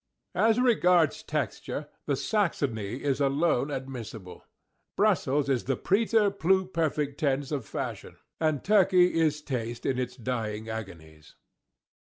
As regards texture, the Saxony is alone admissible. Brussels is the preterpluperfect tense of fashion, and Turkey is taste in its dying agonies.